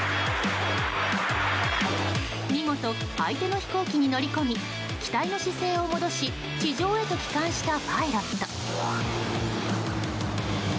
見事、相手の飛行機に乗り込み機体の姿勢を戻し地上へと帰還したパイロット。